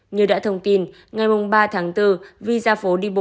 như đã thông tin ngày ba tháng bốn vi ra phố đi bộ